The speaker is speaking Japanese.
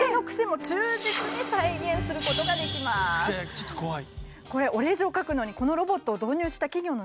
ちょっと怖い！